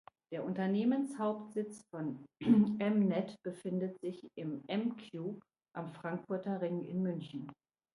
Der Unternehmenshauptsitz von M-net befindet sich im M-Cube am Frankfurter Ring in München.